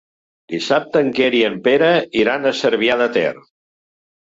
Dissabte en Quer i en Pere iran a Cervià de Ter.